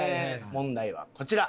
問題はこちら。